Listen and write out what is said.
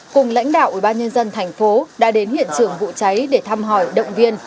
cùng lãnh đạo ủy ban nhân dân thành phố đã đến hiện trường vụ cháy để thăm hỏi động viên